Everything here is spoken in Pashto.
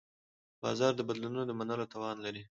بازار د بدلونونو د منلو توان لري.